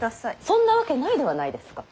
そんなわけないではないですか。